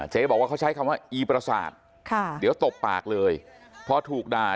บอกว่าเขาใช้คำว่าอีประสาทค่ะเดี๋ยวตบปากเลยพอถูกด่า